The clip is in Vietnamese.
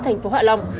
thành phố hạ long